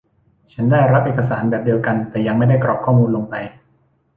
ฉันได้รับเอกสารแบบเดียวกัน แต่ยังไม่ได้กรอกข้อมูลลงไป